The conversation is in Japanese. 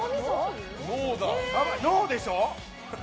脳でしょ。